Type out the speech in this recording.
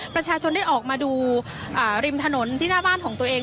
ประชาชนได้ออกมาดูริมถนนที่หน้าบ้านของตัวเอง